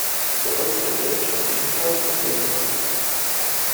Der Holzdeckel stammt ebenfalls aus dem Mittelalter.